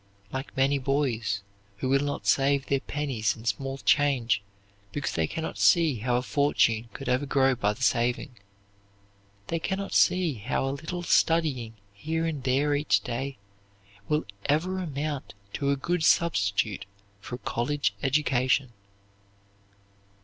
Like many boys who will not save their pennies and small change because they can not see how a fortune could ever grow by the saving, they can not see how a little studying here and there each day will ever amount to a good substitute for a college education.